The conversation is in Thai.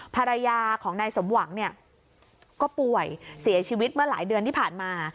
ภรรยาของนายสมหวังเนี่ยก็ป่วยเสียชีวิตเมื่อหลายเดือนที่ผ่านมา